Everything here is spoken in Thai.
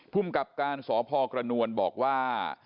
ภูมิกับการสพกระนวลบอกว่า